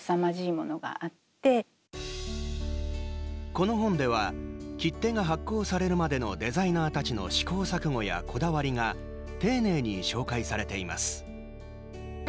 この本では切手が発行されるまでのデザイナーたちの試行錯誤やこだわりが丁寧に紹介されています。